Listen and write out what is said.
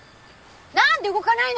なんで動かないの！？